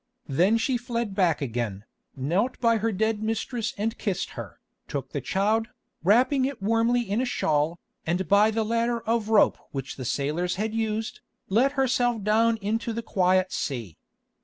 Then she fled back again, knelt by her dead mistress and kissed her, took the child, wrapping it warmly in a shawl, and by the ladder of rope which the sailors had used, let herself down into the quiet sea.